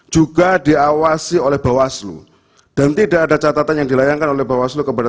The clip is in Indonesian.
dua ribu dua puluh empat juga diawasi oleh bawaslu dan tidak ada catatan yang dilayangkan oleh bawaslu kepada